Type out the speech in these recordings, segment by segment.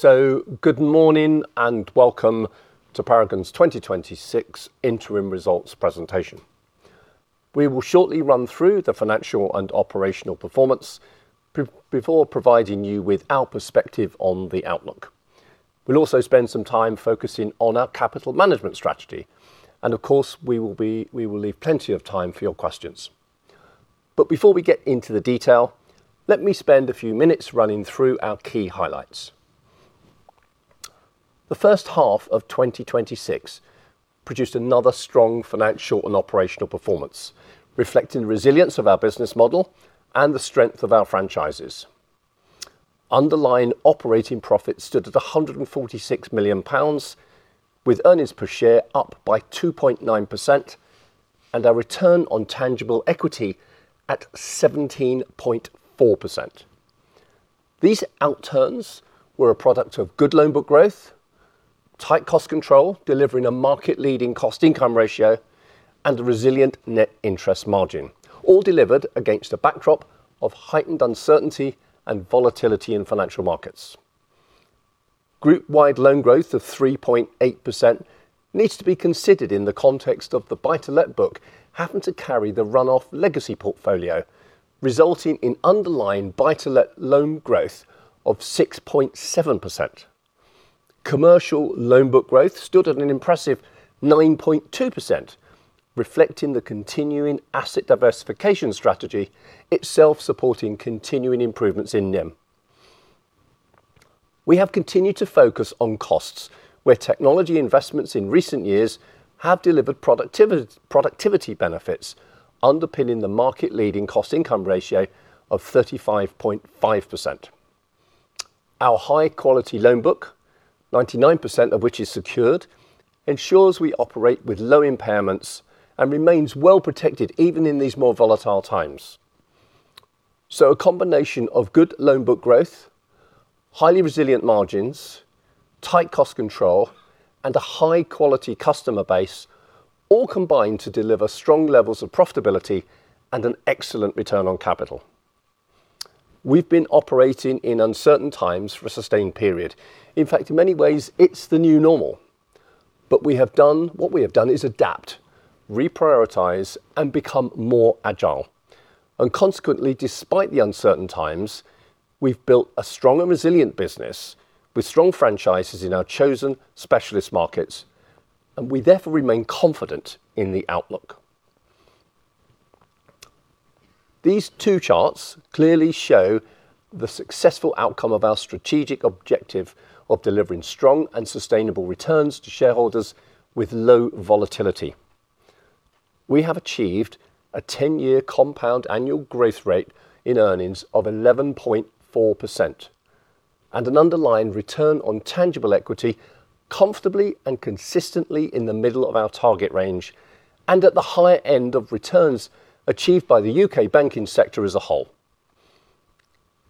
Good morning and welcome to Paragon's 2026 interim results presentation. We will shortly run through the financial and operational performance before providing you with our perspective on the outlook. We'll also spend some time focusing on our capital management strategy, and of course, we will leave plenty of time for your questions. Before we get into the detail, let me spend a few minutes running through our key highlights. The first half of 2026 produced another strong financial and operational performance, reflecting the resilience of our business model and the strength of our franchises. Underlying operating profit stood at 146 million pounds, with earnings per share up by 2.9% and our return on tangible equity at 17.4%. These outturns were a product of good loan book growth, tight cost control, delivering a market-leading cost-income ratio, and a resilient net interest margin, all delivered against a backdrop of heightened uncertainty and volatility in financial markets. Group-wide loan growth of 3.8% needs to be considered in the context of the buy-to-let book having to carry the run-off legacy portfolio, resulting in underlying buy-to-let loan growth of 6.7%. Commercial loan book growth stood at an impressive 9.2%, reflecting the continuing asset diversification strategy, itself supporting continuing improvements in NIM. We have continued to focus on costs, where technology investments in recent years have delivered productivity benefits underpinning the market-leading cost-income ratio of 35.5%. Our high-quality loan book, 99% of which is secured, ensures we operate with low impairments and remains well protected even in these more volatile times. A combination of good loan book growth, highly resilient margins, tight cost control, and a high-quality customer base all combine to deliver strong levels of profitability and an excellent return on capital. We've been operating in uncertain times for a sustained period. In fact, in many ways it's the new normal. What we have done is adapt, reprioritize, and become more agile. Consequently, despite the uncertain times, we've built a strong and resilient business with strong franchises in our chosen specialist markets, and we therefore remain confident in the outlook. These two charts clearly show the successful outcome of our strategic objective of delivering strong and sustainable returns to shareholders with low volatility. We have achieved a 10-year compound annual growth rate in earnings of 11.4% and an underlying return on tangible equity comfortably and consistently in the middle of our target range and at the higher end of returns achieved by the U.K. banking sector as a whole.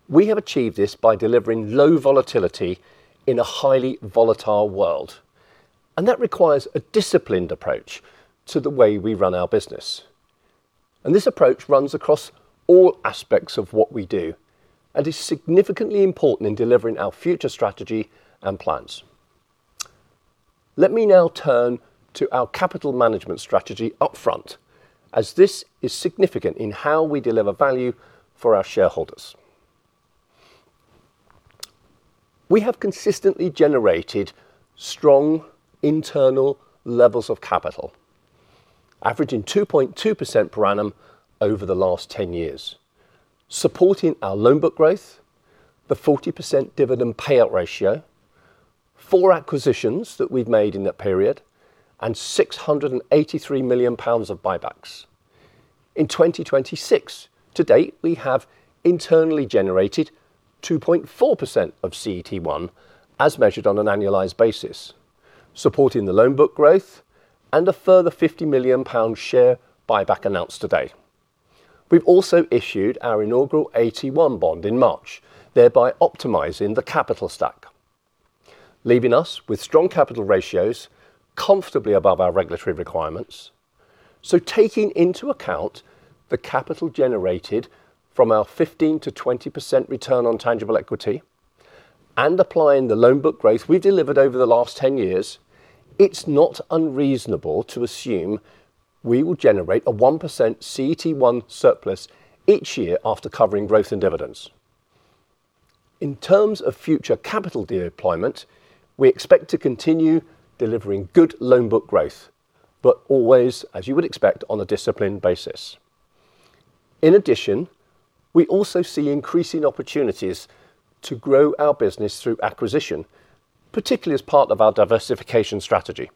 We have achieved this by delivering low volatility in a highly volatile world, and that requires a disciplined approach to the way we run our business. This approach runs across all aspects of what we do and is significantly important in delivering our future strategy and plans. Let me now turn to our capital management strategy upfront, as this is significant in how we deliver value for our shareholders. We have consistently generated strong internal levels of capital, averaging 2.2% per annum over the last 10 years, supporting our loan book growth, the 40% dividend payout ratio, four acquisitions that we've made in that period, and 683 million pounds of buybacks. In 2026 to date, we have internally generated 2.4% of CET1 as measured on an annualized basis, supporting the loan book growth and a further 50 million pound share buyback announced today. We've also issued our inaugural AT1 bond in March, thereby optimizing the capital stack, leaving us with strong capital ratios comfortably above our regulatory requirements. Taking into account the capital generated from our 15%-20% return on tangible equity and applying the loan book growth we've delivered over the last 10 years, it's not unreasonable to assume we will generate a one percent CET1 surplus each year after covering growth and dividends. In terms of future capital deployment, we expect to continue delivering good loan book growth, but always, as you would expect, on a disciplined basis. In addition, we also see increasing opportunities to grow our business through acquisition, particularly as part of our diversification strategy.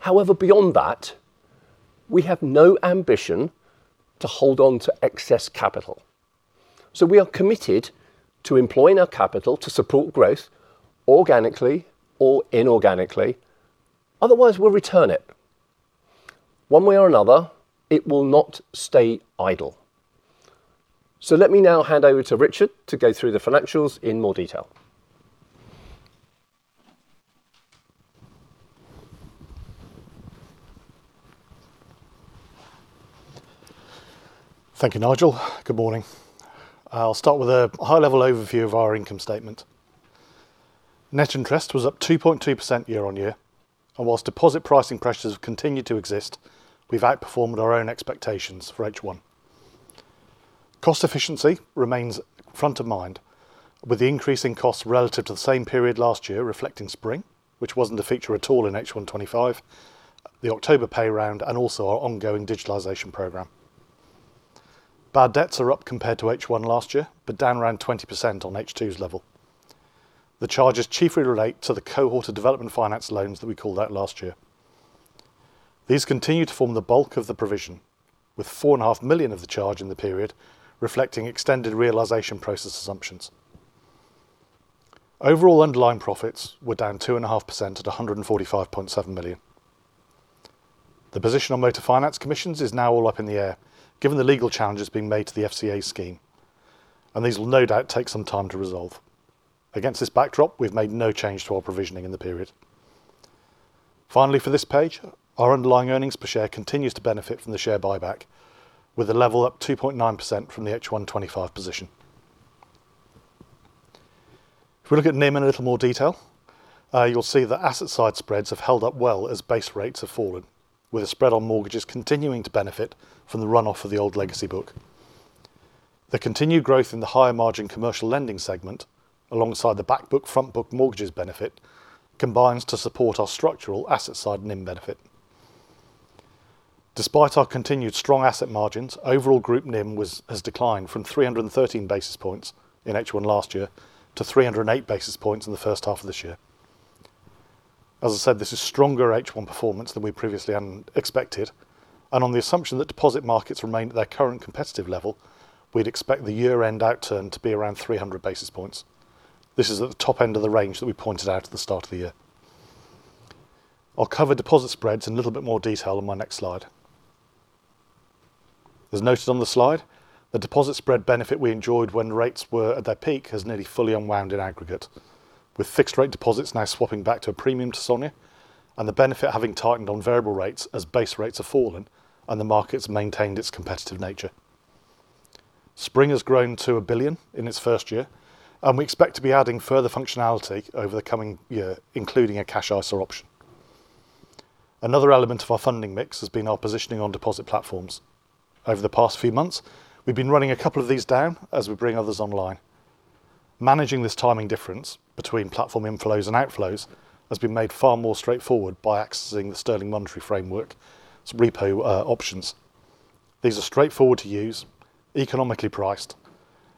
However, beyond that, we have no ambition to hold on to excess capital. We are committed to employing our capital to support growth organically or inorganically. Otherwise, we'll return it. One way or another, it will not stay idle. Let me now hand over to Richard to go through the financials in more detail. Thank you, Nigel. Good morning. I'll start with a high-level overview of our income statement. Net interest was up 2.2% year-on-year, and whilst deposit pricing pressures continue to exist, we've outperformed our own expectations for H1. Cost efficiency remains front of mind with the increase in costs relative to the same period last year reflecting Spring, which wasn't a feature at all in H1 2025, the October pay round, and also our ongoing digitalization program. Bad debts are up compared to H1 last year, but down around 20% on H2's level. The charges chiefly relate to the cohort of development finance loans that we called out last year. These continue to form the bulk of the provision, with 4.5 million of the charge in the period reflecting extended realization process assumptions. Overall underlying profits were down 2.5% at 145.7 million. The position on motor finance commissions is now all up in the air given the legal challenges being made to the FCA scheme. These will no doubt take some time to resolve. Against this backdrop, we've made no change to our provisioning in the period. Finally, for this page, our underlying earnings per share continues to benefit from the share buyback, with a level up 2.9% from the H1 2025 position. If we look at NIM in a little more detail, you'll see that asset side spreads have held up well as base rates have fallen, with a spread on mortgages continuing to benefit from the runoff of the old legacy book. The continued growth in the higher margin commercial lending segment, alongside the back book, front book mortgages benefit, combines to support our structural asset side NIM benefit. Despite our continued strong asset margins, overall group NIM has declined from 313 basis points in H1 last year to 308 basis points in the first half of this year. As I said, this is stronger H1 performance than we previously expected, and on the assumption that deposit markets remain at their current competitive level, we'd expect the year-end outturn to be around 300 basis points. This is at the top end of the range that we pointed out at the start of the year. I'll cover deposit spreads in a little bit more detail on my next slide. As noted on the slide, the deposit spread benefit we enjoyed when rates were at their peak has nearly fully unwound in aggregate, with fixed rate deposits now swapping back to a premium to SONIA and the benefit having tightened on variable rates as base rates have fallen and the market's maintained its competitive nature. Spring has grown to 1 billion in its first year, and we expect to be adding further functionality over the coming year, including a cash ISA option. Another element of our funding mix has been our positioning on deposit platforms. Over the past few months, we've been running a couple of these down as we bring others online. Managing this timing difference between platform inflows and outflows has been made far more straightforward by accessing the Sterling Monetary Framework, its repo options. These are straightforward to use, economically priced,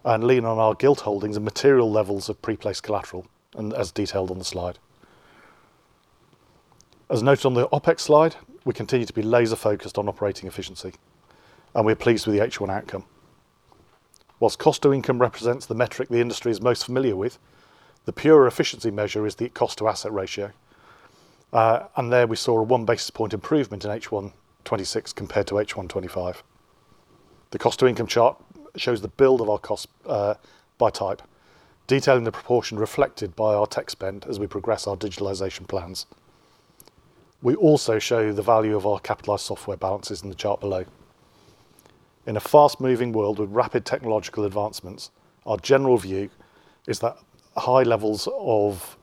and lean on our gilt holdings and material levels of preplaced collateral, as detailed on the slide. As noted on the OpEx slide, we continue to be laser-focused on operating efficiency, and we are pleased with the H1 outcome. Whilst cost to income represents the metric the industry is most familiar with, the pure efficiency measure is the cost to asset ratio. There we saw a one basis point improvement in H1 2026 compared to H1 2025. The cost to income chart shows the build of our cost by type, detailing the proportion reflected by our tech spend as we progress our digitalization plans. We also show the value of our capitalized software balances in the chart below. In a fast-moving world with rapid technological advancements, our general view is that high levels of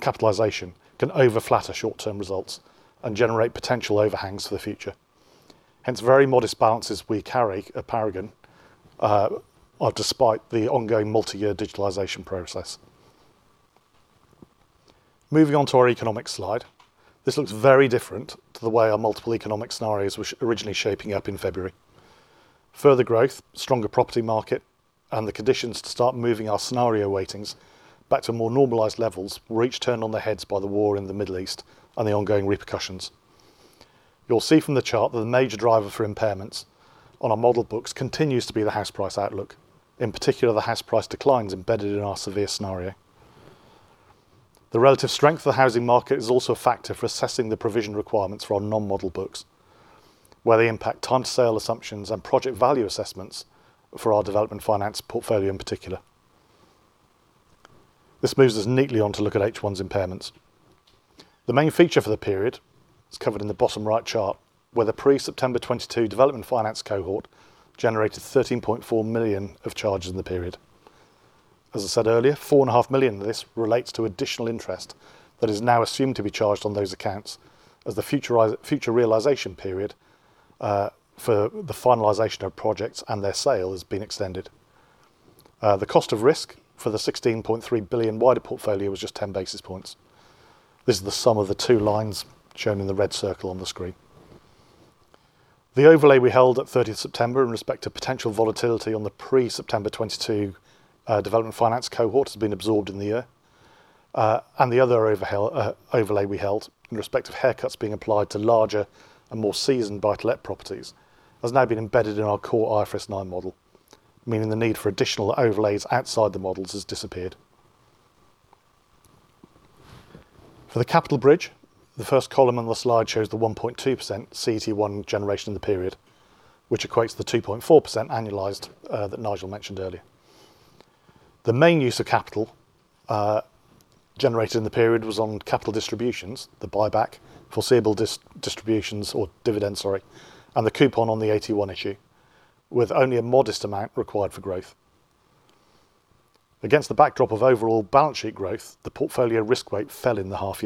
capitalization can over-flatter short-term results and generate potential overhangs for the future. Very modest balances we carry at Paragon are despite the ongoing multiyear digitalization process. Moving on to our economic slide. This looks very different to the way our multiple economic scenarios were originally shaping up in February. Further growth, stronger property market, and the conditions to start moving our scenario weightings back to more normalized levels were each turned on their heads by the war in the Middle East and the ongoing repercussions. You'll see from the chart that the major driver for impairments on our model books continues to be the house price outlook, in particular, the house price declines embedded in our severe scenario. The relative strength of the housing market is also a factor for assessing the provision requirements for our non-model books, where they impact time to sale assumptions and project value assessments for our development finance portfolio in particular. This moves us neatly on to look at H1's impairments. The main feature for the period is covered in the bottom right chart, where the pre-September 2022 development finance cohort generated 13.4 million of charges in the period. As I said earlier, 4.5 million of this relates to additional interest that is now assumed to be charged on those accounts as the future realization period, for the finalization of projects and their sale has been extended. The cost of risk for the 16.3 billion wider portfolio was just 10 basis points. This is the sum of the two lines shown in the red circle on the screen. The overlay we held at 30th September in respect of potential volatility on the pre-September 2022 development finance cohort has been absorbed in the year. The other overlay we held in respect of haircuts being applied to larger and more seasoned buy-to-let properties has now been embedded in our core IFRS 9 model, meaning the need for additional overlays outside the models has disappeared. For the capital bridge, the first column on the slide shows the 1.2% CET1 generation in the period, which equates to the 2.4% annualized that Nigel mentioned earlier. The main use of capital generated in the period was on capital distributions, the buyback foreseeable distributions or dividends, sorry, and the coupon on the AT1 issue, with only a modest amount required for growth. Against the backdrop of overall balance sheet growth, the portfolio risk weight fell in the half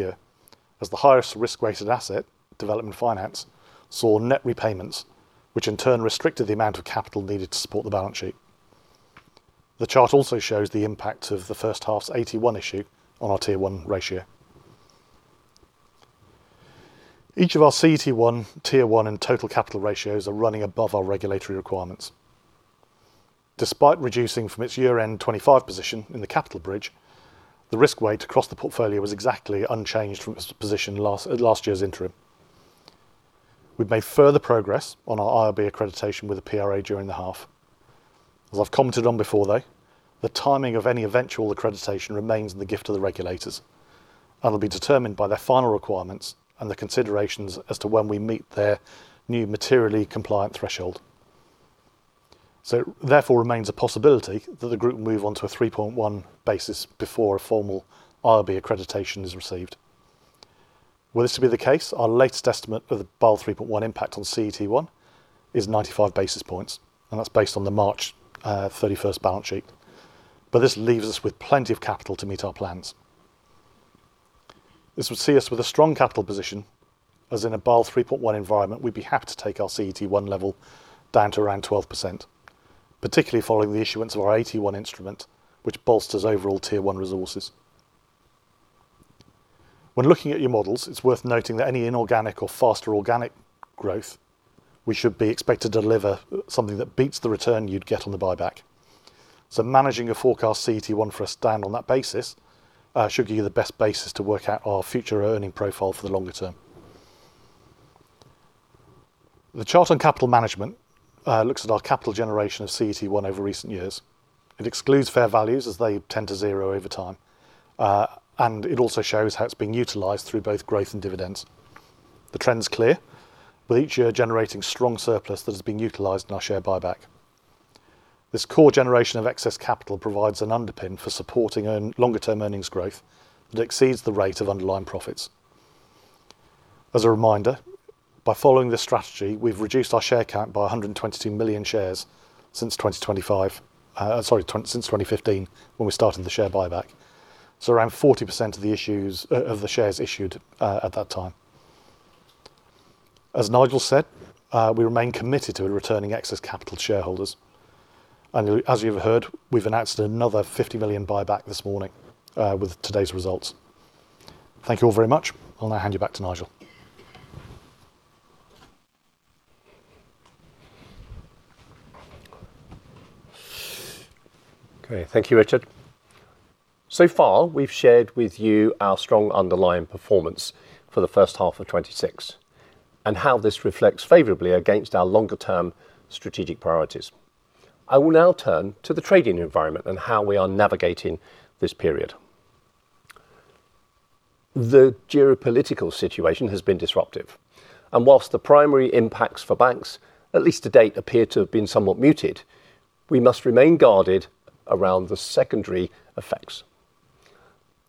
year as the highest risk-weighted asset, development finance, saw net repayments, which in turn restricted the amount of capital needed to support the balance sheet. The chart also shows the impact of the first half's AT1 issue on our Tier 1 ratio. Each of our CET1, Tier 1, and total capital ratios are running above our regulatory requirements. Despite reducing from its year-end 2025 position in the capital bridge, the risk weight across the portfolio was exactly unchanged from its position at last year's interim. We've made further progress on our IRB accreditation with the PRA during the half. As I've commented on before, though, the timing of any eventual accreditation remains in the gift of the regulators and will be determined by their final requirements and the considerations as to when we meet their new materially compliant threshold. It therefore remains a possibility that the group will move on to a 3.1 basis before a formal IRB accreditation is received. Were this to be the case, our latest estimate for the Basel 3.1 impact on CET1 is 95 basis points, and that's based on the March 31st balance sheet. This leaves us with plenty of capital to meet our plans. This would see us with a strong capital position, as in a Basel 3.1 environment, we'd be happy to take our CET1 level down to around 12%, particularly following the issuance of our AT1 instrument, which bolsters overall Tier 1 resources. When looking at your models, it's worth noting that any inorganic or faster organic growth, we should be expect to deliver something that beats the return you'd get on the buyback. Managing a forecast CET1 for us to stand on that basis should give you the best basis to work out our future earning profile for the longer term. The chart on capital management looks at our capital generation of CET1 over recent years. It excludes fair values as they tend to zero over time. It also shows how it's being utilized through both growth and dividends. The trend is clear, with each year generating strong surplus that has been utilized in our share buyback. This core generation of excess capital provides an underpin for supporting longer-term earnings growth that exceeds the rate of underlying profits. As a reminder, by following this strategy, we've reduced our share count by 122 million shares since 2015, when we started the share buyback. Around 40% of the shares issued at that time. As Nigel said, we remain committed to returning excess capital to shareholders. As you've heard, we've announced another 50 million buyback this morning with today's results. Thank you all very much. I'll now hand you back to Nigel. Okay. Thank you, Richard. So far, we've shared with you our strong underlying performance for the first half of 2026, and how this reflects favorably against our longer-term strategic priorities. I will now turn to the trading environment and how we are navigating this period. The geopolitical situation has been disruptive, and whilst the primary impacts for banks, at least to date, appear to have been somewhat muted, we must remain guarded around the secondary effects.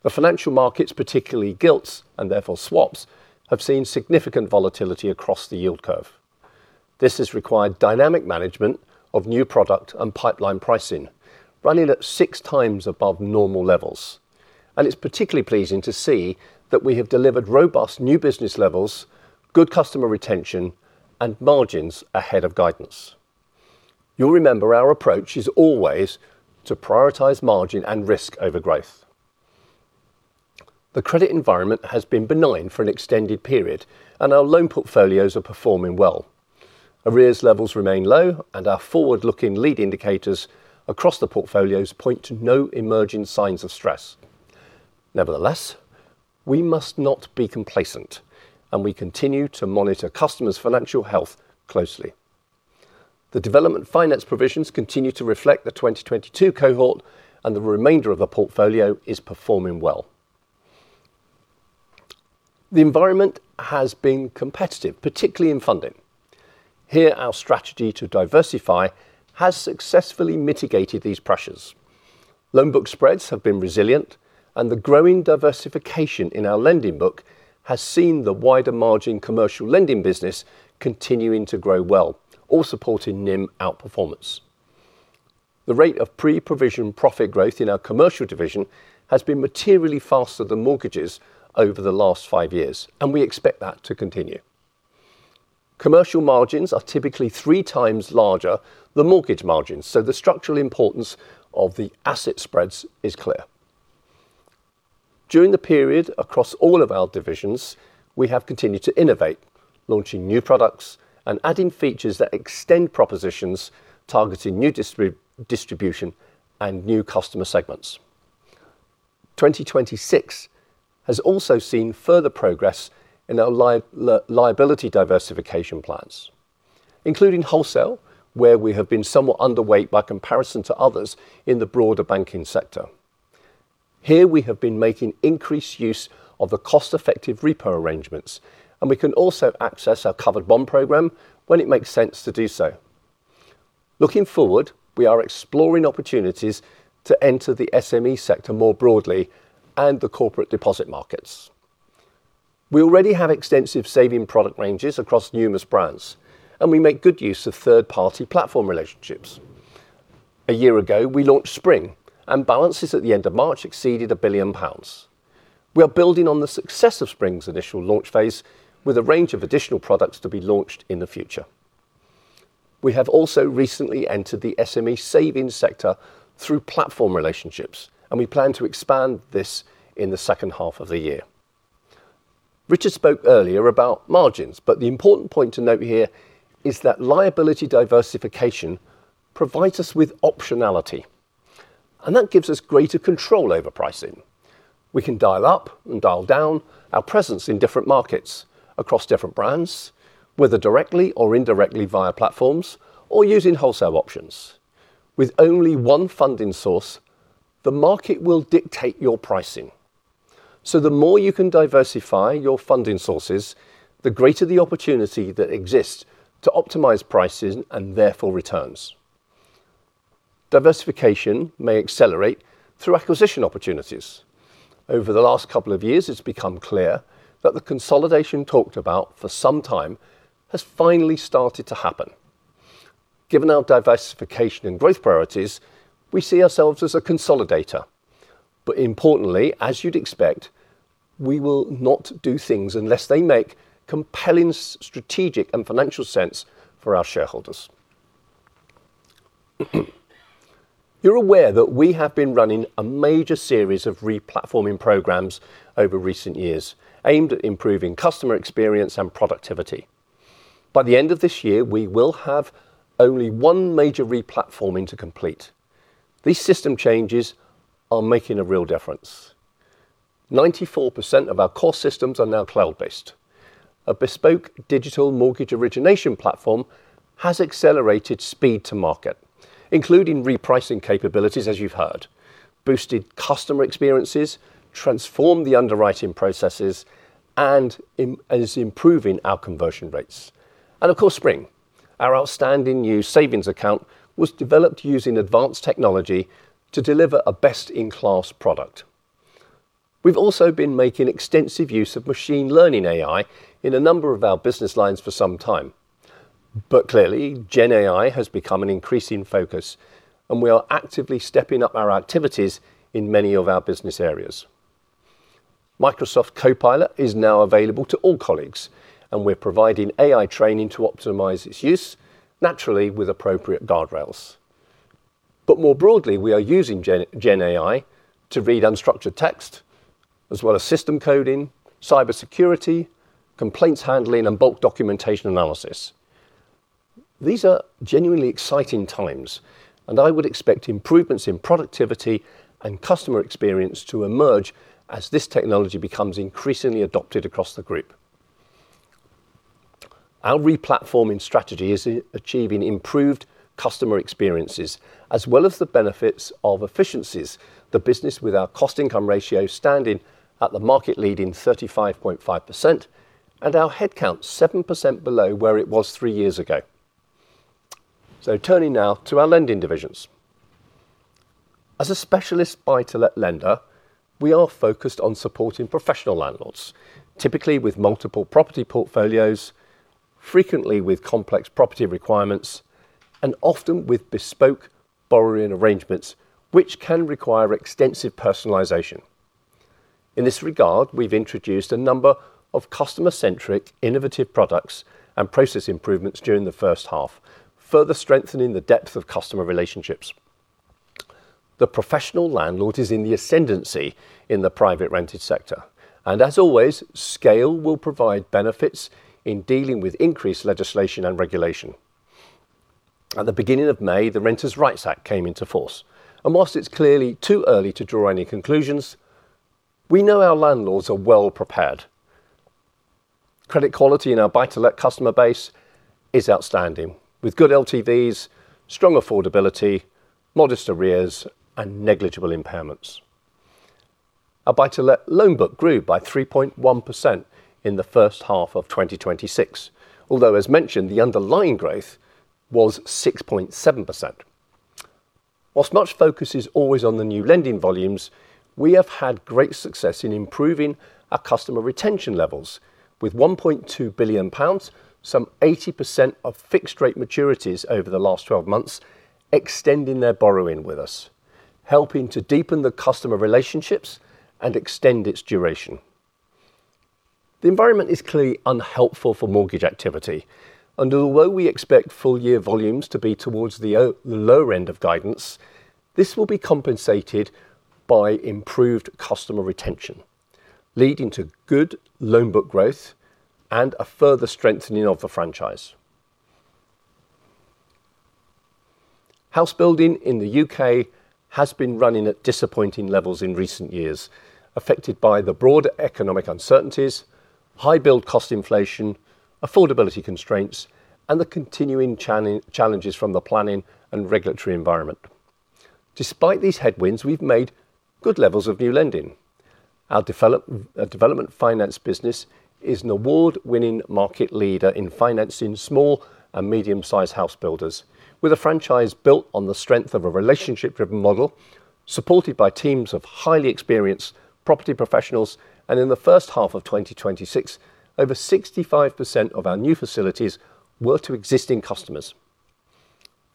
The financial markets, particularly gilts and therefore swaps, have seen significant volatility across the yield curve. This has required dynamic management of new product and pipeline pricing, running at six times above normal levels, and it's particularly pleasing to see that we have delivered robust new business levels, good customer retention, and margins ahead of guidance. You'll remember our approach is always to prioritize margin and risk over growth. The credit environment has been benign for an extended period, our loan portfolios are performing well. Arrears levels remain low, our forward-looking lead indicators across the portfolios point to no emerging signs of stress. Nevertheless, we must not be complacent, we continue to monitor customers' financial health closely. The development finance provisions continue to reflect the 2022 cohort, the remainder of the portfolio is performing well. The environment has been competitive, particularly in funding. Here, our strategy to diversify has successfully mitigated these pressures. Loan book spreads have been resilient, the growing diversification in our lending book has seen the wider margin commercial lending business continuing to grow well, all supporting NIM outperformance. The rate of pre-provision profit growth in our commercial division has been materially faster than mortgages over the last five years, we expect that to continue. Commercial margins are typically 3x larger than mortgage margins. The structural importance of the asset spreads is clear. During the period, across all of our divisions, we have continued to innovate, launching new products and adding features that extend propositions targeting new distribution and new customer segments. 2026 has also seen further progress in our liability diversification plans, including wholesale, where we have been somewhat underweight by comparison to others in the broader banking sector. Here we have been making increased use of the cost-effective repo arrangements, and we can also access our covered bond program when it makes sense to do so. Looking forward, we are exploring opportunities to enter the SME sector more broadly and the corporate deposit markets. We already have extensive saving product ranges across numerous brands. We make good use of third-party platform relationships. A year ago, we launched Spring, balances at the end of March exceeded 1 billion pounds. We are building on the success of Spring's initial launch phase with a range of additional products to be launched in the future. We have also recently entered the SME savings sector through platform relationships, we plan to expand this in the second half of the year. Richard spoke earlier about margins, the important point to note here is that liability diversification provides us with optionality, that gives us greater control over pricing. We can dial up and dial down our presence in different markets across different brands, whether directly or indirectly via platforms or using wholesale options. With only one funding source, the market will dictate your pricing. The more you can diversify your funding sources, the greater the opportunity that exists to optimize pricing and therefore returns. Diversification may accelerate through acquisition opportunities. Over the last couple of years, it's become clear that the consolidation talked about for some time has finally started to happen. Given our diversification and growth priorities, we see ourselves as a consolidator. Importantly, as you'd expect, we will not do things unless they make compelling strategic and financial sense for our shareholders. You're aware that we have been running a major series of replatforming programs over recent years aimed at improving customer experience and productivity. By the end of this year, we will have only one major replatforming to complete. These system changes are making a real difference. 94% of our core systems are now cloud-based. A bespoke digital mortgage origination platform has accelerated speed to market, including repricing capabilities, as you've heard, boosted customer experiences, transformed the underwriting processes, and is improving our conversion rates. Of course, Spring, our outstanding new savings account, was developed using advanced technology to deliver a best-in-class product. We've also been making extensive use of machine learning AI in a number of our business lines for some time. Clearly, Gen AI has become an increasing focus, and we are actively stepping up our activities in many of our business areas. Microsoft Copilot is now available to all colleagues, and we're providing AI training to optimize its use, naturally with appropriate guardrails. More broadly, we are using Gen AI to read unstructured text as well as system coding, cybersecurity, complaints handling, and bulk documentation analysis. These are genuinely exciting times, and I would expect improvements in productivity and customer experience to emerge as this technology becomes increasingly adopted across the group. Our replatforming strategy is achieving improved customer experiences as well as the benefits of efficiencies the business, with our cost-income ratio standing at the market lead in 35.5% and our headcount seven percent below where it was three years ago. Turning now to our lending divisions. As a specialist buy-to-let lender, we are focused on supporting professional landlords, typically with multiple property portfolios, frequently with complex property requirements, and often with bespoke borrowing arrangements, which can require extensive personalization. In this regard, we've introduced a number of customer-centric, innovative products and process improvements during the first half, further strengthening the depth of customer relationships. The professional landlord is in the ascendancy in the private rented sector, and as always, scale will provide benefits in dealing with increased legislation and regulation. At the beginning of May, the Renters' Rights Act came into force, and whilst it's clearly too early to draw any conclusions, we know our landlords are well prepared. Credit quality in our buy-to-let customer base is outstanding, with good LTVs, strong affordability, modest arrears, and negligible impairments. Our buy-to-let loan book grew by 3.1% in the first half of 2026, although as mentioned, the underlying growth was 6.7%. Whilst much focus is always on the new lending volumes, we have had great success in improving our customer retention levels with 1.2 billion pounds, some 80% of fixed-rate maturities over the last 12 months extending their borrowing with us, helping to deepen the customer relationships and extend its duration. The environment is clearly unhelpful for mortgage activity. Although we expect full year volumes to be towards the lower end of guidance, this will be compensated by improved customer retention, leading to good loan book growth and a further strengthening of the franchise. House building in the U.K. has been running at disappointing levels in recent years, affected by the broad economic uncertainties, high build cost inflation, affordability constraints, and the continuing challenges from the planning and regulatory environment. Despite these headwinds, we've made good levels of new lending. Our development finance business is an award-winning market leader in financing small and medium-sized house builders, with a franchise built on the strength of a relationship-driven model, supported by teams of highly experienced property professionals, and in the first half of 2026, over 65% of our new facilities were to existing customers.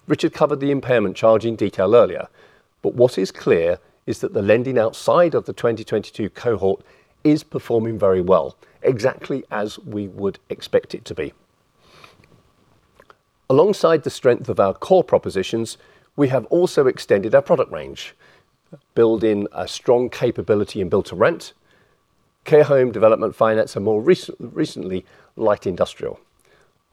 Richard covered the impairment charge in detail earlier, what is clear is that the lending outside of the 2022 cohort is performing very well, exactly as we would expect it to be. Alongside the strength of our core propositions, we have also extended our product range, building a strong capability in build-to-rent, care home development finance, and more recently, light industrial.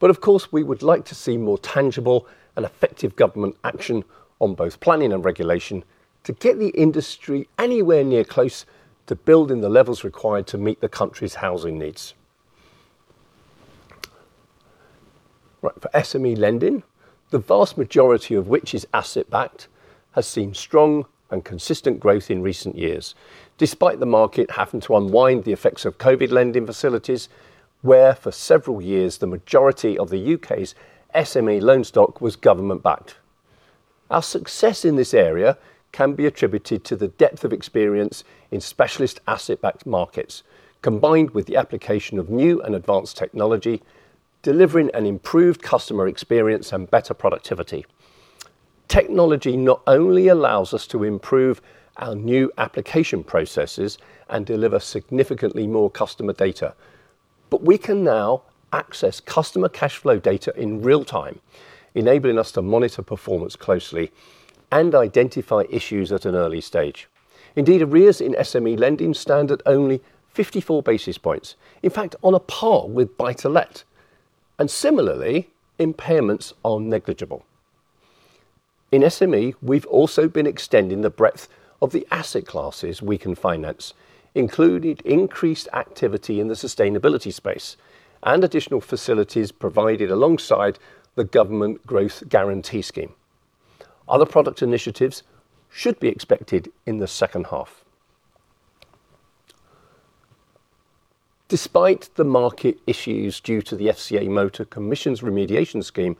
Of course, we would like to see more tangible and effective government action on both planning and regulation to get the industry anywhere near close to building the levels required to meet the country's housing needs. Right. For SME lending, the vast majority of which is asset-backed, has seen strong and consistent growth in recent years, despite the market having to unwind the effects of COVID lending facilities, where for several years, the majority of the U.K.'s SME loan stock was government-backed. Our success in this area can be attributed to the depth of experience in specialist asset-backed markets, combined with the application of new and advanced technology, delivering an improved customer experience and better productivity. Technology not only allows us to improve our new application processes and deliver significantly more customer data, but we can now access customer cash flow data in real time, enabling us to monitor performance closely and identify issues at an early stage. Indeed, arrears in SME lending stand at only 54 basis points, in fact, on a par with buy-to-let. Similarly, impairments are negligible. In SME, we've also been extending the breadth of the asset classes we can finance, including increased activity in the sustainability space and additional facilities provided alongside the government Growth Guarantee Scheme. Other product initiatives should be expected in the second half. Despite the market issues due to the FCA motor finance consumer redress scheme,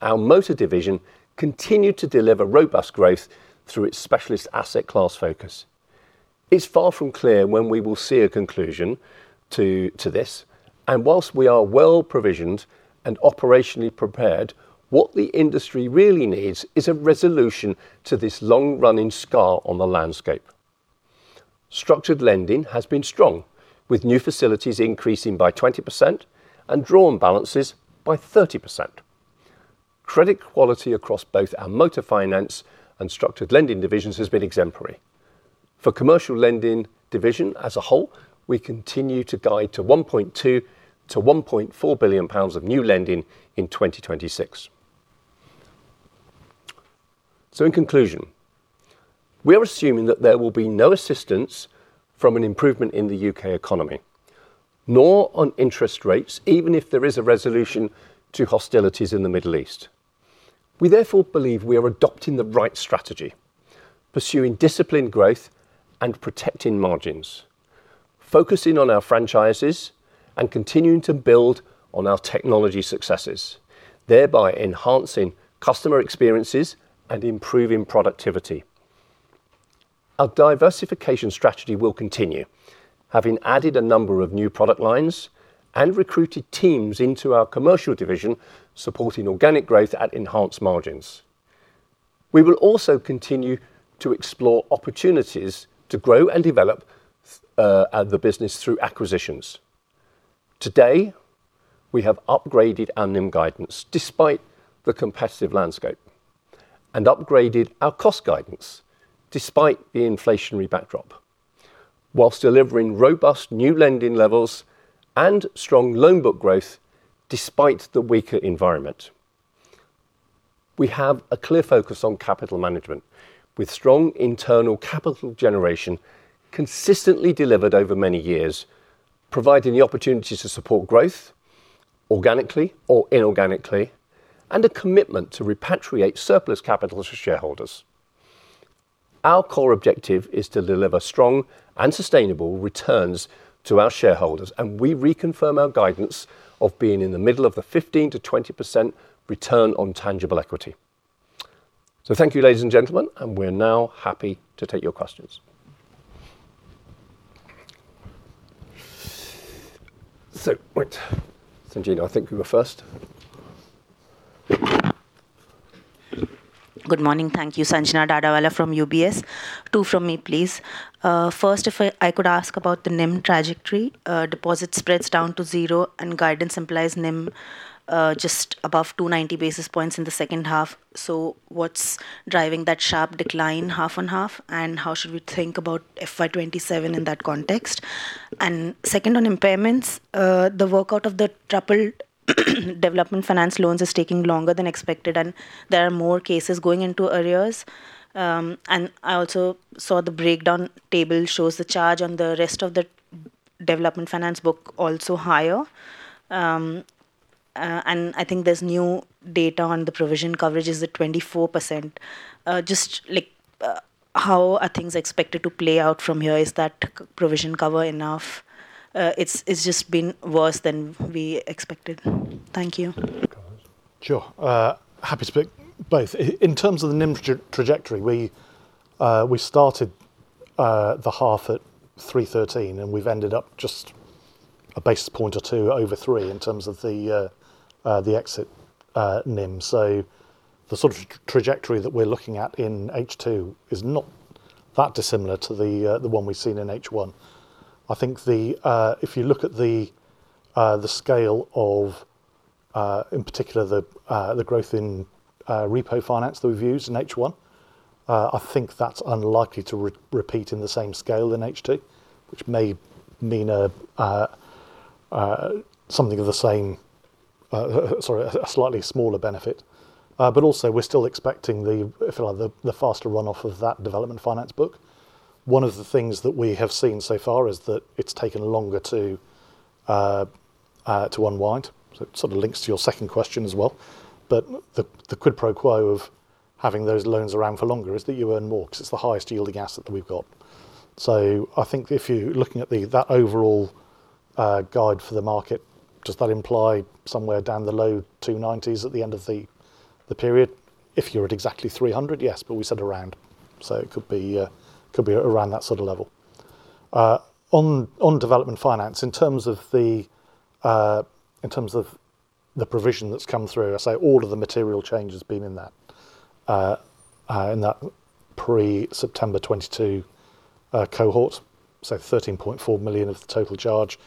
our motor division continued to deliver robust growth through its specialist asset class focus. It's far from clear when we will see a conclusion to this, whilst we are well provisioned and operationally prepared, what the industry really needs is a resolution to this long-running scar on the landscape. Structured lending has been strong, with new facilities increasing by 20% and drawn balances by 30%. Credit quality across both our motor finance and structured lending divisions has been exemplary. For commercial lending division as a whole, we continue to guide to 1.2 billion-1.4 billion pounds of new lending in 2026. In conclusion, we are assuming that there will be no assistance from an improvement in the U.K. economy, nor on interest rates, even if there is a resolution to hostilities in the Middle East. We therefore believe we are adopting the right strategy, pursuing disciplined growth and protecting margins, focusing on our franchises and continuing to build on our technology successes, thereby enhancing customer experiences and improving productivity. Our diversification strategy will continue, having added a number of new product lines and recruited teams into our commercial division, supporting organic growth at enhanced margins. We will also continue to explore opportunities to grow and develop the business through acquisitions. Today, we have upgraded our NIM guidance despite the competitive landscape and upgraded our cost guidance despite the inflationary backdrop, whilst delivering robust new lending levels and strong loan book growth despite the weaker environment. We have a clear focus on capital management with strong internal capital generation consistently delivered over many years, providing the opportunity to support growth organically or inorganically and a commitment to repatriate surplus capital to shareholders. Our core objective is to deliver strong and sustainable returns to our shareholders. We reconfirm our guidance of being in the middle of the 15%-20% return on tangible equity. Thank you, ladies and gentlemen. We're now happy to take your questions. Right. Sanjina, I think you were first. Good morning. Thank you. Sanjina Dadawala from UBS. Two from me, please. First, if I could ask about the NIM trajectory. Deposit spreads down to zero and guidance implies NIM just above 290 basis points in the second half. What's driving that sharp decline half on half, and how should we think about FY 2027 in that context? Second, on impairments, the workout of the troubled development finance loans is taking longer than expected, and there are more cases going into arrears. I also saw the breakdown table shows the charge on the rest of the development finance book also higher. I think there's new data on the provision coverage is at 24%. Just how are things expected to play out from here? Is that provision cover enough? It's just been worse than we expected. Thank you. Sure. Happy to speak both. In terms of the NIM trajectory, we started the half at 313, we've ended up just a basis point or two over three in terms of the exit NIM. The sort of trajectory that we're looking at in H2 is not that dissimilar to the one we've seen in H1. I think if you look at the scale of, in particular, the growth in repo finance that we've used in H1, I think that's unlikely to repeat in the same scale in H2, which may mean something of the same, sorry, a slightly smaller benefit. Also we're still expecting the, if you like, the faster runoff of that development finance book. One of the things that we have seen so far is that it's taken longer to unwind. It sort of links to your second question as well. The quid pro quo of having those loans around for longer is that you earn more, because it's the highest yielding asset that we've got. I think if you're looking at that overall guide for the market, does that imply somewhere down the low 290s at the end of the period? If you're at exactly 300, yes. We said around, it could be around that sort of level. On development finance, in terms of the provision that's come through, I say all of the material change has been in that pre-September 2022 cohort, 13.4 million of the total charge.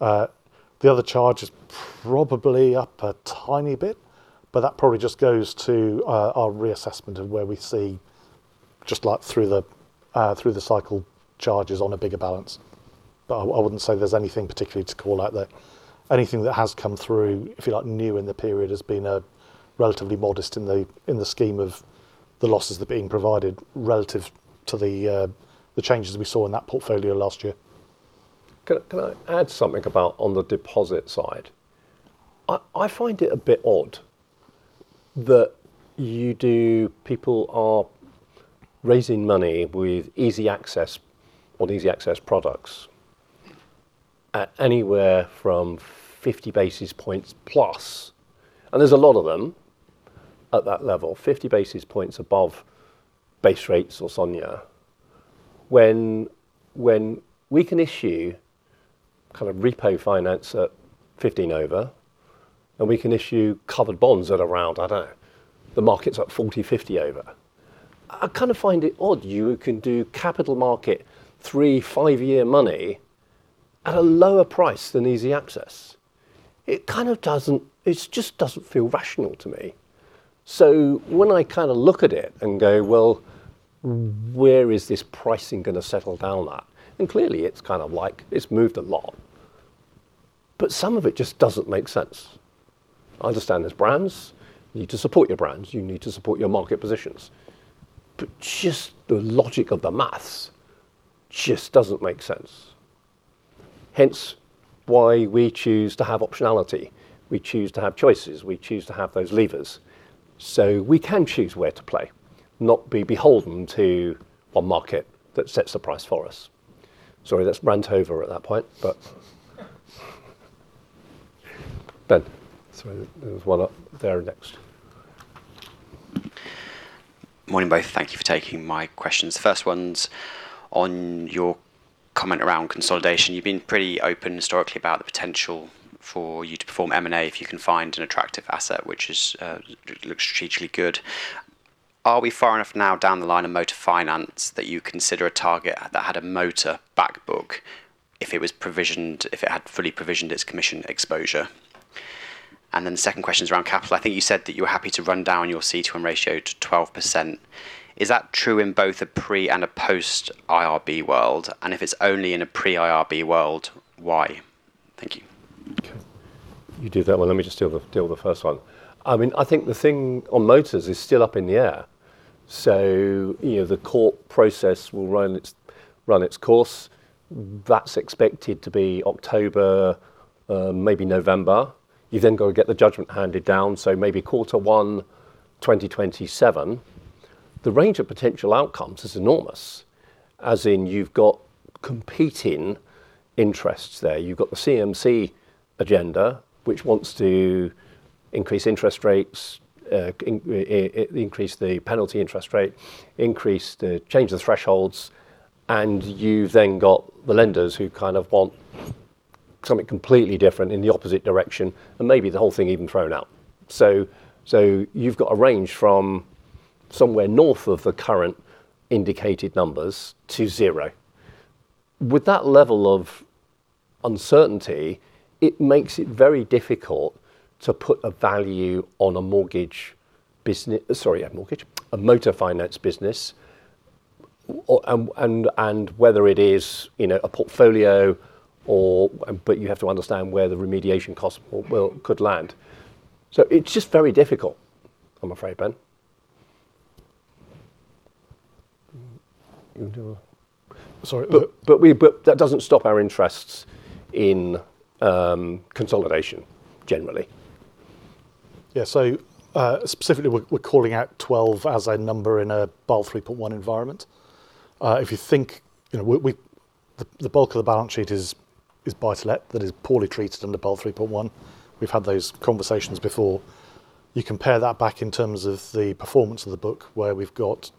The other charge is probably up a tiny bit, that probably just goes to our reassessment of where we see, just like through the cycle charges on a bigger balance. I wouldn't say there's anything particularly to call out there. Anything that has come through, if you like, new in the period has been relatively modest in the scheme of the losses that are being provided relative to the changes we saw in that portfolio last year. Can I add something about on the deposit side? I find it a bit odd that people are raising money with easy access or easy access products at anywhere from 50 basis points plus, and there's a lot of them at that level, 50 basis points above base rates or SONIA. When we can issue kind of repo finance at 15 over, and we can issue covered bonds at around, I don't know, the market's at 40, 50 over. I kind of find it odd you can do capital market three, five-year money at a lower price than easy access. It just doesn't feel rational to me. When I look at it and go, well, where is this pricing going to settle down at? Clearly it's moved a lot, but some of it just doesn't make sense. I understand there's brands, you need to support your brands, you need to support your market positions, but just the logic of the math just doesn't make sense. Hence why we choose to have optionality. We choose to have choices. We choose to have those levers so we can choose where to play, not be beholden to a market that sets the price for us. Sorry, that's rant over at that point, but Ben. Sorry, there was one up there next. Morning, both. Thank you for taking my questions. The first one's on your comment around consolidation. You've been pretty open historically about the potential for you to perform M&A if you can find an attractive asset, which looks strategically good. Are we far enough now down the line of motor finance that you consider a target that had a motor back book if it had fully provisioned its commission exposure? The second question is around capital. I think you said that you were happy to run down your CET1 ratio to 12%. Is that true in both a pre- and a post-IRB world? If it's only in a pre-IRB world, why? Thank you. Okay. You do that one. Let me just deal with the first one. I think the thing on motors is still up in the air. The court process will run its course. That's expected to be October, maybe November. You've then got to get the judgment handed down, maybe quarter one 2027. The range of potential outcomes is enormous, as in you've got competing interests there. You've got the CMC agenda, which wants to increase interest rates, increase the penalty interest rate, change the thresholds, you've then got the lenders who kind of want something completely different in the opposite direction, maybe the whole thing even thrown out. You've got a range from somewhere north of the current indicated numbers to zero. With that level of uncertainty, it makes it very difficult to put a value on a mortgage business, Sorry, a mortgage. A motor finance business. Whether it is a portfolio, but you have to understand where the remediation cost could land. It's just very difficult, I'm afraid, Ben. Sorry. That doesn't stop our interests in consolidation, generally. Specifically, we're calling out 12 as a number in a Basel 3.1 environment. If you think, the bulk of the balance sheet is buy-to-let that is poorly treated under Basel 3.1. We've had those conversations before. You compare that back in terms of the performance of the book, where we've got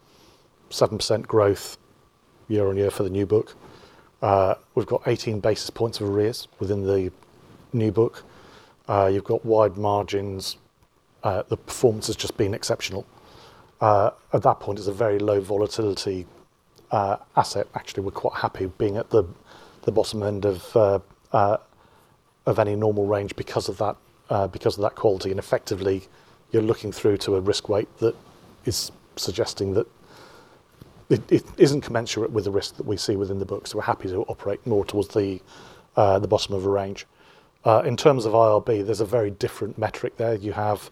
seven percent growth year-on-year for the new book. We've got 18 basis points of arrears within the new book. You've got wide margins. The performance has just been exceptional. At that point, it's a very low volatility asset. Actually, we're quite happy being at the bottom end of any normal range because of that quality. Effectively, you're looking through to a risk weight that is suggesting that it isn't commensurate with the risk that we see within the books. We're happy to operate more towards the bottom of a range. In terms of IRB, there's a very different metric there. You have,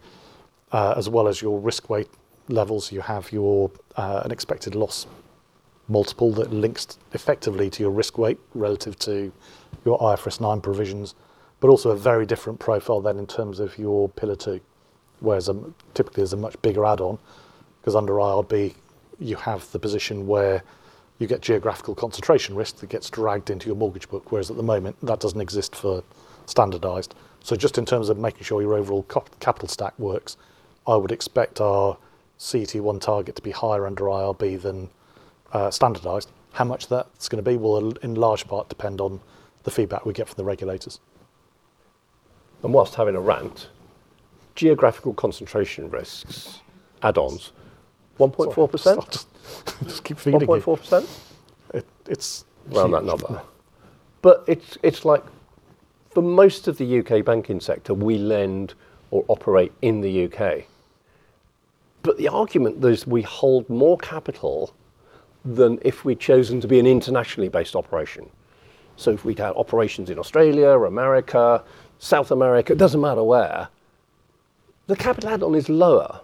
as well as your risk weight levels, you have your unexpected loss multiple that links effectively to your IFRS nine provisions, but also a very different profile than in terms of your Pillar two, where typically there's a much bigger add-on because under IRB, you have the position where you get geographical concentration risk that gets dragged into your mortgage book, whereas at the moment, that doesn't exist for standardized. Just in terms of making sure your overall capital stack works, I would expect our CET1 target to be higher under IRB than standardized. How much that's going to be will in large part depend on the feedback we get from the regulators. While having a rant, geographical concentration risks add-ons 1.4%? Sorry. Just keep feeding me. 1.4%? It's- Around that number. It's like for most of the U.K. banking sector, we lend or operate in the U.K. The argument is we hold more capital than if we'd chosen to be an internationally based operation. If we'd have operations in Australia or America, South America, it doesn't matter where, the capital add-on is lower.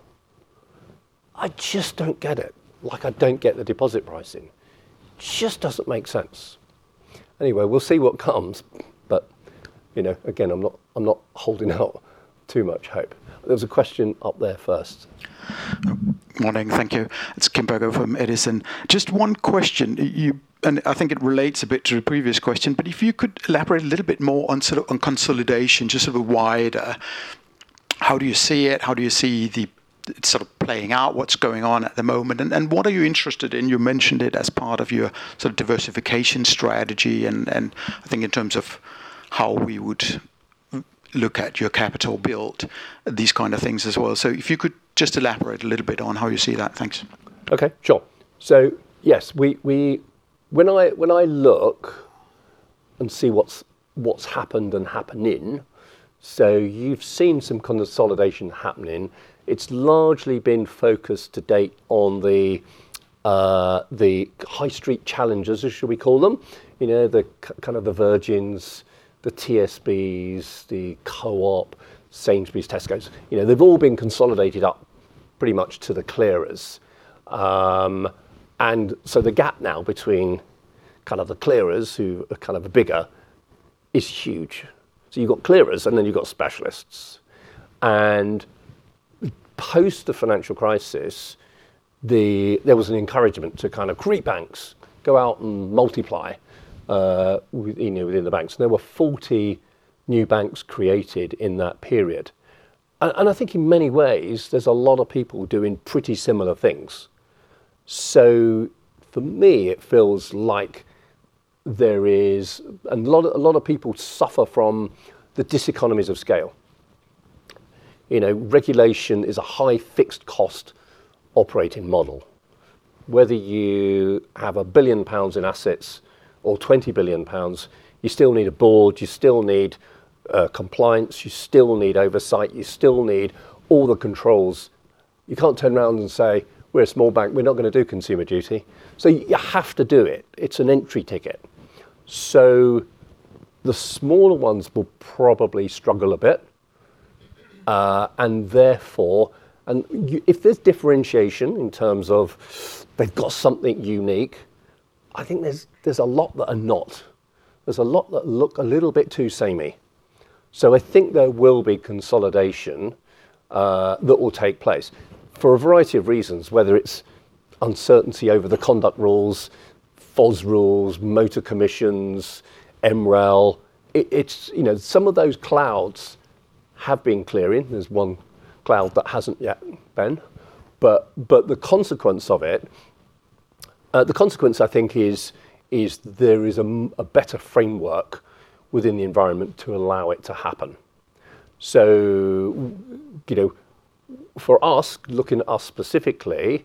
I just don't get it, like I don't get the deposit pricing. Just doesn't make sense. Anyway, we'll see what comes. Again, I'm not holding out too much hope. There was a question up there first. Morning. Thank you. It's Kim Berger from Edison. Just one question. I think it relates a bit to the previous question, but if you could elaborate a little bit more on consolidation, just sort of a wider how do you see it, how do you see it sort of playing out, what's going on at the moment, and what are you interested in? You mentioned it as part of your sort of diversification strategy and I think in terms of how we would look at your capital build, these kind of things as well. If you could just elaborate a little bit on how you see that. Thanks. Okay, sure. Yes, when I look and see what's happened and happening, you've seen some consolidation happening. It's largely been focused to date on the high street challengers, as shall we call them. The kind of the Virgins, the TSBs, the Co-op, Sainsbury's, Tescos. They've all been consolidated up pretty much to the clearers. The gap now between kind of the clearers who are kind of the bigger is huge. You've got clearers and then you've got specialists. Post the financial crisis, there was an encouragement to kind of create banks, go out and multiply within the banks. There were 40 new banks created in that period. I think in many ways, there's a lot of people doing pretty similar things. For me, it feels like a lot of people suffer from the diseconomies of scale. Regulation is a high fixed cost operating model. Whether you have 1 billion pounds in assets or 20 billion pounds, you still need a board, you still need compliance, you still need oversight, you still need all the controls. You can't turn around and say, "We're a small bank. We're not going to do Consumer Duty." You have to do it. It's an entry ticket. The smaller ones will probably struggle a bit. Therefore, if there's differentiation in terms of they've got something unique, I think there's a lot that are not. There's a lot that look a little bit too samey. I think there will be consolidation that will take place for a variety of reasons, whether it's uncertainty over the conduct rules, FOS rules, motor commissions, MREL. Some of those clouds have been clearing. There's one cloud that hasn't yet, Ben. The consequence, I think, is there is a better framework within the environment to allow it to happen. For us, looking at us specifically,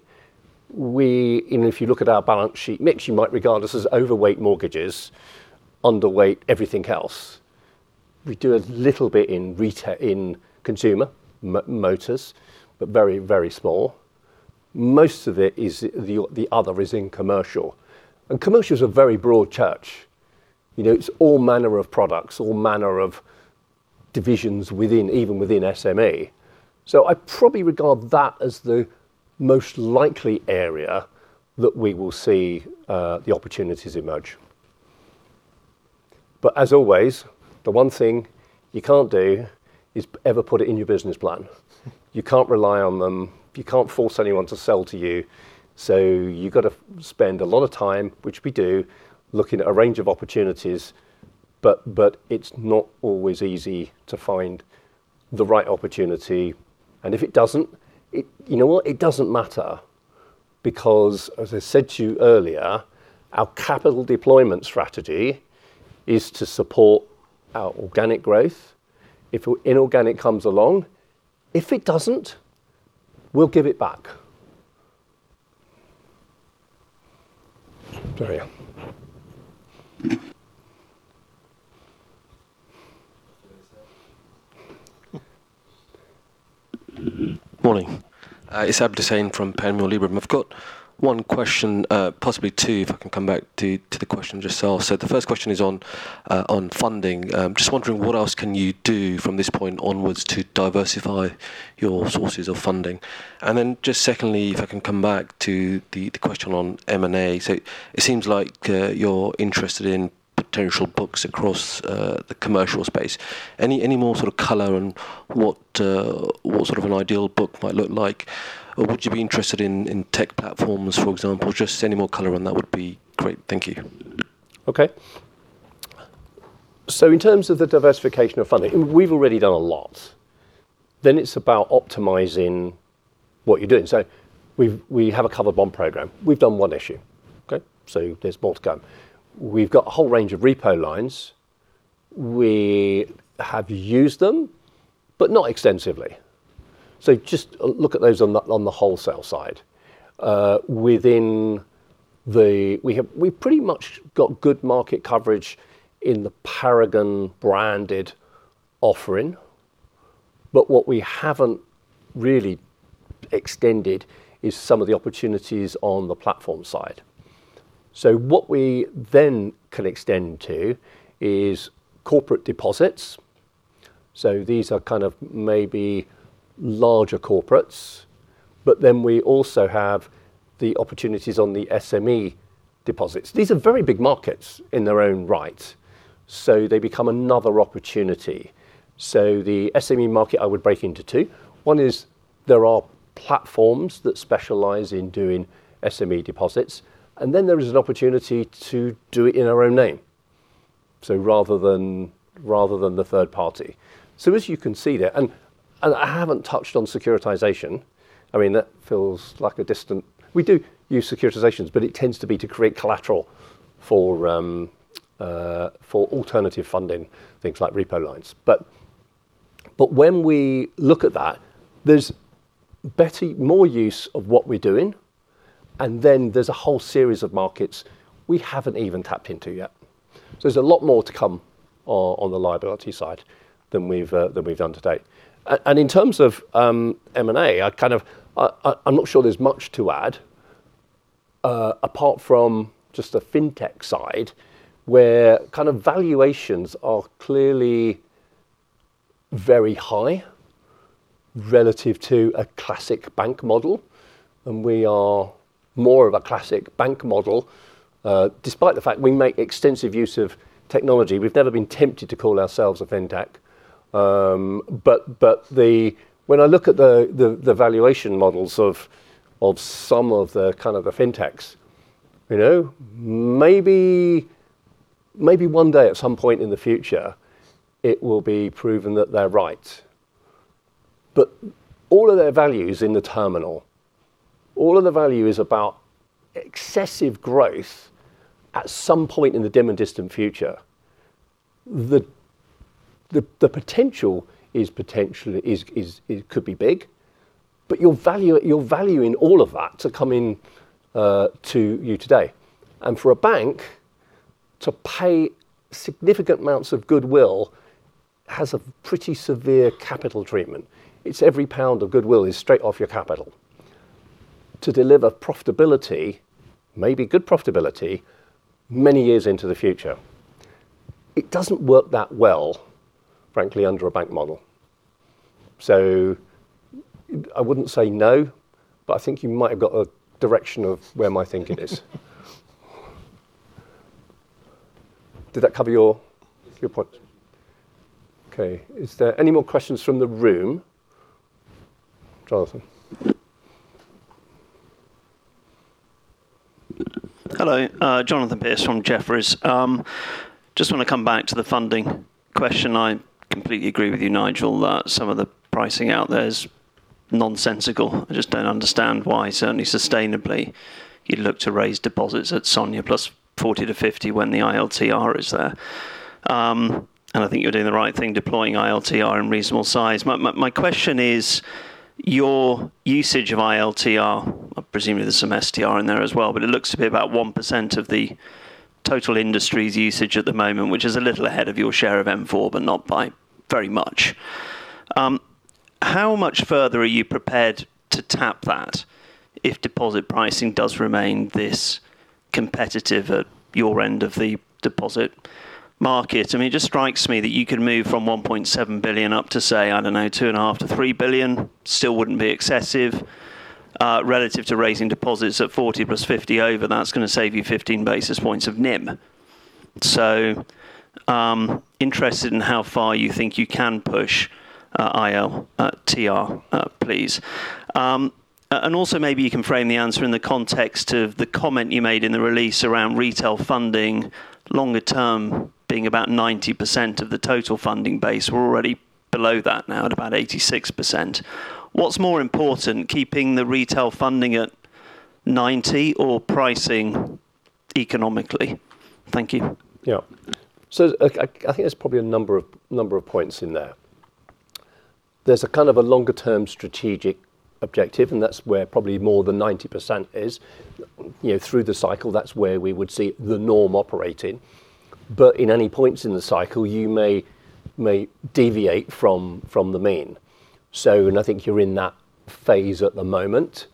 if you look at our balance sheet mix, you might regard us as overweight mortgages, underweight everything else. We do a little bit in consumer motors, but very small. Most of it is the other is in commercial. Commercial is a very broad church. It's all manner of products, all manner of divisions even within SME. I probably regard that as the most likely area that we will see the opportunities emerge. As always, the one thing you can't do is ever put it in your business plan. You can't rely on them. You can't force anyone to sell to you. You've got to spend a lot of time, which we do, looking at a range of opportunities, but it's not always easy to find the right opportunity. If it doesn't, you know what? It doesn't matter because, as I said to you earlier, our capital deployment strategy is to support our organic growth. If inorganic comes along, if it doesn't, we'll give it back. There we are. Morning. It's Adnan Saleem from Panmure Gordon. I've got one question, possibly two, if I can come back to the question just asked. The first question is on funding. Just wondering what else can you do from this point onwards to diversify your sources of funding? Secondly, if I can come back to the question on M&A. It seems like you're interested in potential books across the commercial space. Any more sort of color on what sort of an ideal book might look like? Would you be interested in tech platforms, for example? Just any more color on that would be great. Thank you. Okay. In terms of the diversification of funding, we've already done a lot. It's about optimizing what you're doing. We have a covered bond program. We've done one issue. Okay? There's more to come. We've got a whole range of repo lines. We have used them, but not extensively. Just look at those on the wholesale side. We pretty much got good market coverage in the Paragon branded offering. What we haven't really extended is some of the opportunities on the platform side. What we then can extend to is corporate deposits. These are kind of maybe larger corporates. We also have the opportunities on the SME deposits. These are very big markets in their own right, so they become another opportunity. The SME market, I would break into two. One is there are platforms that specialize in doing SME deposits, and then there is an opportunity to do it in our own name. Rather than the third party. As you can see there, I haven't touched on securitization. I mean, We do use securitizations, it tends to be to create collateral for alternative funding, things like repo lines. When we look at that, there's more use of what we're doing, there's a whole series of markets we haven't even tapped into yet. There's a lot more to come on the liability side than we've done to date. In terms of M&A, I'm not sure there's much to add apart from just the fintech side, where valuations are clearly very high relative to a classic bank model, we are more of a classic bank model. Despite the fact we make extensive use of technology, we've never been tempted to call ourselves a fintech. When I look at the valuation models of some of the fintechs, maybe one day at some point in the future, it will be proven that they're right. All of their value is in the terminal. All of the value is about excessive growth at some point in the dim and distant future. The potential could be big, but you're valuing all of that to come in to you today. For a bank, to pay significant amounts of goodwill has a pretty severe capital treatment. It's every GBP of goodwill is straight off your capital to deliver profitability, maybe good profitability, many years into the future. It doesn't work that well, frankly, under a bank model. I wouldn't say no, but I think you might have got a direction of where my thinking is. Did that cover your point? Okay. Is there any more questions from the room? Jonathan. Hello. Jonathan Pierce from Jefferies. Just want to come back to the funding question. I completely agree with you, Nigel, that some of the pricing out there is nonsensical. I just don't understand why, certainly sustainably, you'd look to raise deposits at SONIA plus 40-50 when the ILTR is there. I think you're doing the right thing deploying ILTR in reasonable size. My question is, your usage of ILTR, presumably there's some STR in there as well, but it looks to be about one percent of the total industry's usage at the moment, which is a little ahead of your share of M4, but not by very much. How much further are you prepared to tap that if deposit pricing does remain this competitive at your end of the deposit market? It just strikes me that you could move from 1.7 billion up to, say, I don't know, 2.5 billion-3 billion, still wouldn't be excessive, relative to raising deposits at 40 plus 50 over, that's going to save you 15 basis points of NIM. Interested in how far you think you can push ILTR, please. Also maybe you can frame the answer in the context of the comment you made in the release around retail funding longer term being about 90% of the total funding base. We're already below that now at about 86%. What's more important, keeping the retail funding at 90% or pricing economically? Thank you. Yeah. I think there's probably a number of points in there. There's a kind of a longer term strategic objective, and that's where probably more than 90% is. Through the cycle, that's where we would see the norm operating. In any points in the cycle, you may deviate from the mean. I think you're in that phase at the moment,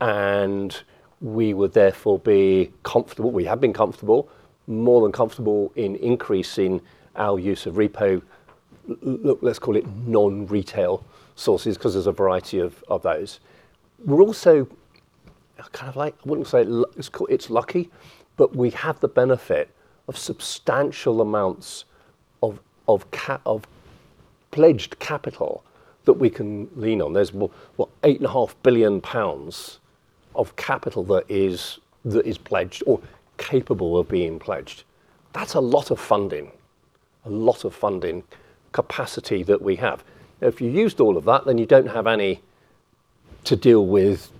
and we would therefore be comfortable. We have been comfortable, more than comfortable in increasing our use of repo, let's call it non-retail sources, because there's a variety of those. We're also, I wouldn't say it's lucky, but we have the benefit of substantial amounts of pledged capital that we can lean on. There's what? 8.5 billion pounds of capital that is pledged or capable of being pledged. That's a lot of funding capacity that we have. If you used all of that, then you don't have any to deal with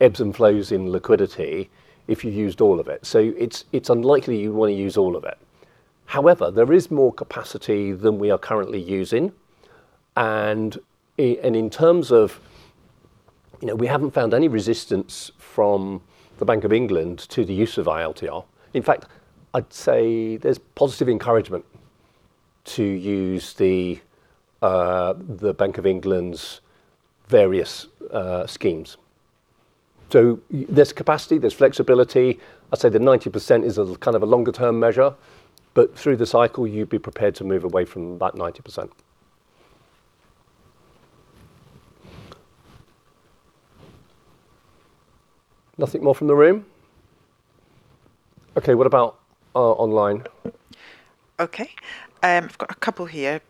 ebbs and flows in liquidity if you used all of it. It's unlikely you want to use all of it. However, there is more capacity than we are currently using, and we haven't found any resistance from the Bank of England to the use of ILTR. In fact, I'd say there's positive encouragement to use the Bank of England's various schemes. There's capacity, there's flexibility. I'd say the 90% is a longer term measure, but through the cycle, you'd be prepared to move away from that 90%. Nothing more from the room? Okay, what about online? Okay. I've got a couple here.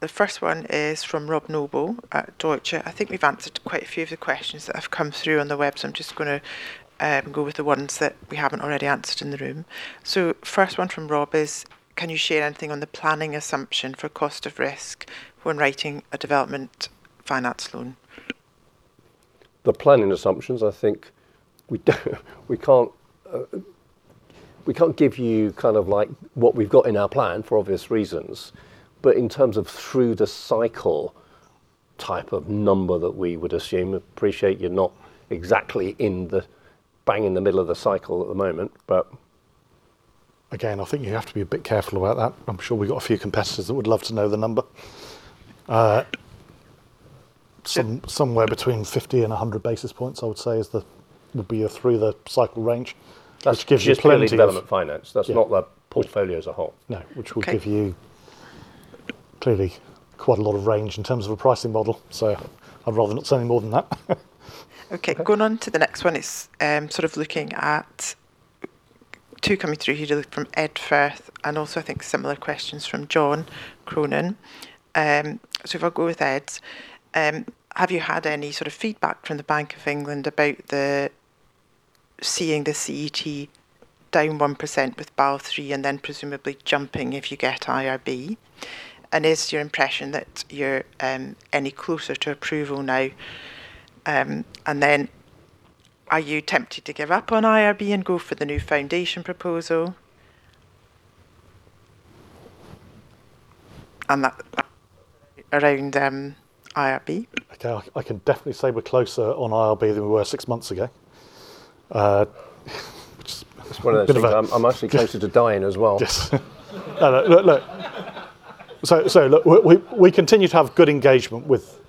The first one is from Rob Noble at Deutsche. I think we've answered quite a few of the questions that have come through on the web, so I'm just going to go with the ones that we haven't already answered in the room. First one from Rob is, "Can you share anything on the planning assumption for cost of risk when writing a development finance loan? The planning assumptions, I think we can't give you what we've got in our plan for obvious reasons. In terms of through the cycle type of number that we would assume, appreciate you're not exactly bang in the middle of the cycle at the moment. Again, I think you have to be a bit careful about that. I'm sure we've got a few competitors that would love to know the number. Somewhere between 50 and 100 basis points, I would say, would be a through the cycle range. That's just clearly development finance. That's not the portfolio as a whole. No. Okay. Which will give you clearly quite a lot of range in terms of a pricing model. I'd rather not say any more than that. Okay. Going on to the next one is looking at two coming through here from Ed Firth, and also I think similar questions from John Cronin. If I go with Ed's. Have you had any sort of feedback from the Bank of England about seeing the CET down one percent with Basel 3.1 and then presumably jumping if you get IRB? Is it your impression that you're any closer to approval now? Are you tempted to give up on IRB and go for the new Foundation IRB? That around IRB. Okay. I can definitely say we're closer on IRB than we were six months ago. It's one of those things. I'm actually closer to dying as well. Yes. Look, we continue to have good engagement with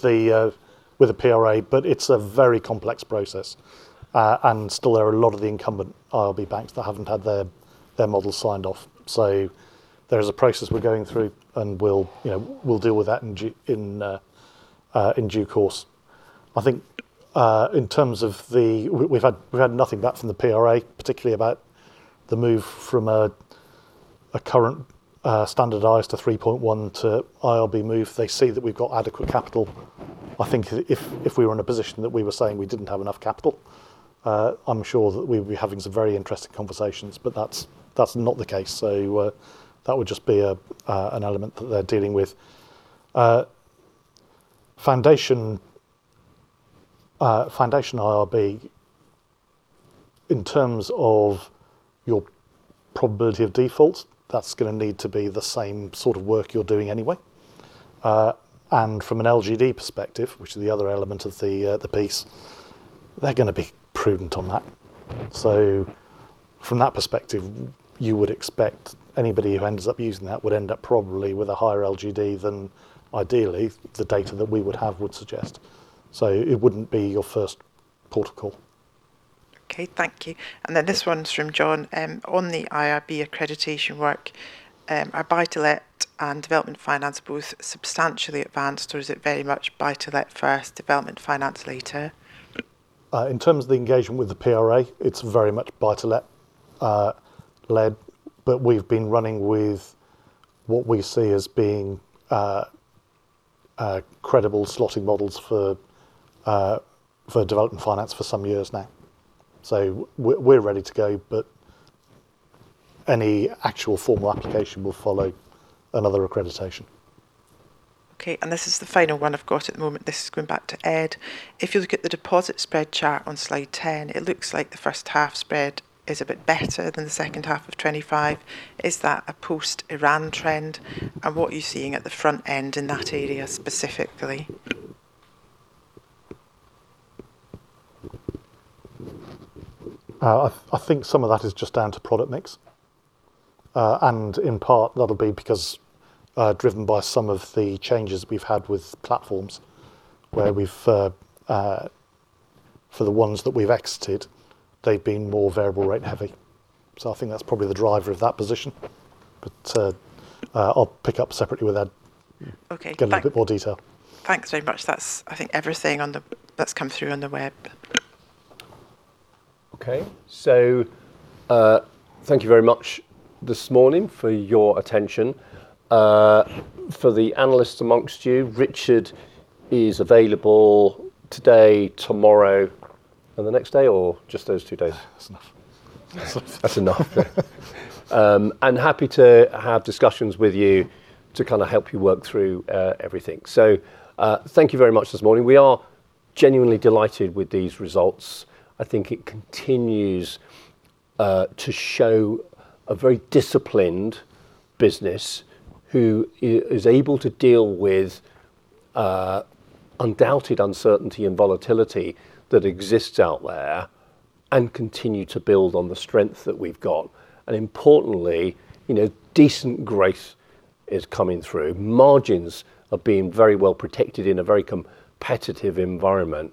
the PRA, but it's a very complex process. Still there are a lot of the incumbent IRB banks that haven't had their model signed off. There is a process we're going through, and we'll deal with that in due course. I think, we've had nothing back from the PRA, particularly about the move from a current standardized to 3.1 to IRB move. They see that we've got adequate capital. I think if we were in a position that we were saying we didn't have enough capital, I'm sure that we'd be having some very interesting conversations. That's not the case, that would just be an element that they're dealing with. Foundation IRB. In terms of your probability of default, that's going to need to be the same sort of work you're doing anyway. From an LGD perspective, which is the other element of the piece, they're going to be prudent on that. From that perspective, you would expect anybody who ends up using that would end up probably with a higher LGD than ideally the data that we would have would suggest. It wouldn't be your first port of call. Okay, thank you. This one's from John. On the IRB accreditation work, are buy-to-let and development finance both substantially advanced, or is it very much buy-to-let first, development finance later? In terms of the engagement with the PRA, it's very much buy-to-let led, but we've been running with what we see as being credible slotting models for development finance for some years now. We're ready to go, but any actual formal application will follow another accreditation. Okay, this is the final one I've got at the moment. This is going back to Ed. If you look at the deposit spread chart on slide 10, it looks like the first half spread is a bit better than the second half of 2025. Is that a post-IRB trend? What are you seeing at the front end in that area specifically? I think some of that is just down to product mix. In part that'll be because driven by some of the changes we've had with platforms where for the ones that we've exited, they've been more variable rate heavy. I think that's probably the driver of that position. I'll pick up separately with Ed. Okay. Thank- Go into a bit more detail. Thanks very much. That's I think everything that's come through on the web. Okay. Thank you very much this morning for your attention. For the analysts amongst you, Richard is available today, tomorrow, and the next day, or just those two days? That's enough. That's enough. Happy to have discussions with you to help you work through everything. Thank you very much this morning. We are genuinely delighted with these results. I think it continues to show a very disciplined business who is able to deal with undoubted uncertainty and volatility that exists out there and continue to build on the strength that we've got. Importantly, decent growth is coming through. Margins are being very well protected in a very competitive environment.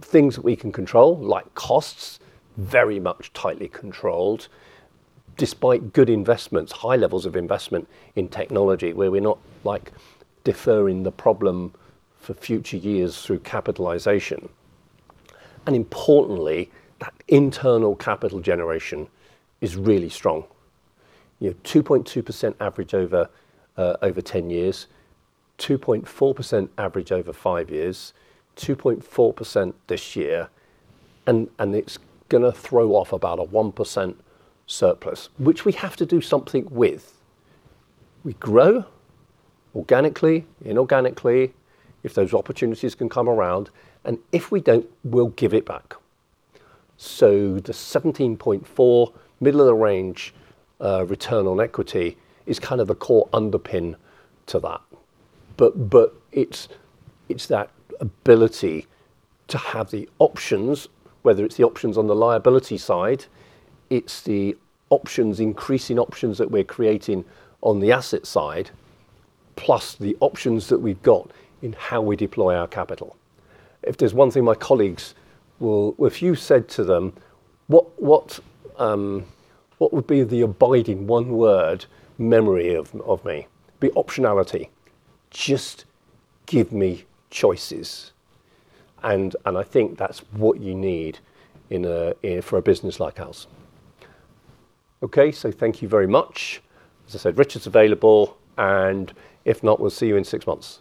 Things that we can control, like costs, very much tightly controlled despite good investments, high levels of investment in technology, where we're not deferring the problem for future years through capitalization. Importantly, that internal capital generation is really strong. 2.2% average over 10 years, 2.4% average over five years, 2.4% this year. It's going to throw off about a one percent surplus, which we have to do something with. We grow organically, inorganically, if those opportunities can come around, and if we don't, we'll give it back. The 17.4% middle-of-the-range return on equity is kind of a core underpin to that. It's that ability to have the options, whether it's the options on the liability side, it's the increasing options that we're creating on the asset side, plus the options that we've got in how we deploy our capital. If there's one thing my colleagues, if you said to them, "What would be the abiding one-word memory of me?" It'd be optionality. Just give me choices. I think that's what you need for a business like ours. Thank you very much. As I said, Richard's available, and if not, we'll see you in six months.